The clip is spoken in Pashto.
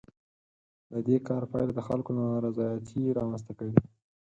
د دې کار پایله د خلکو نارضایتي رامنځ ته کوي.